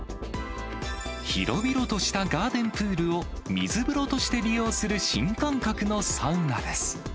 広々としたガーデンプールを水風呂として利用する新感覚のサウナです。